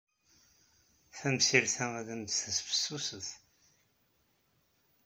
Tamsirt-a ad am-d-tas fessuset.